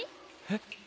えっ？